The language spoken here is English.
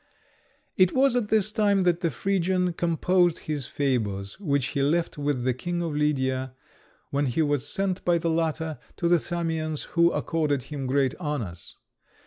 It was at this time that the Phrygian composed his fables, which he left with the King of Lydia, when he was sent by the latter to the Samians, who accorded him great honours.